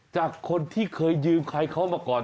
จากคนที่เคยยืมใครเขามาก่อน